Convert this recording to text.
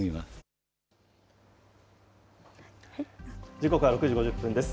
時刻は６時５０分です。